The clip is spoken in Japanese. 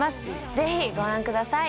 ぜひご覧ください。